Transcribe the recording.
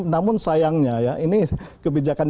namun sayangnya ya ini kebijakan